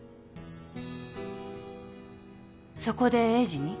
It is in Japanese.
そこで栄治に？